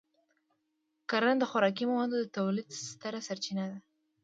کرنه د خوراکي موادو د تولید ستره سرچینه ده.